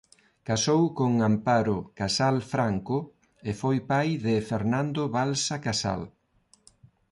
Casou con Amparo Casal Franco e foi pai de Fernando Balsa Casal.